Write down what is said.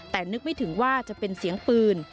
แต่นึกไม่ถึงว่าจะเป็นเสียงปืน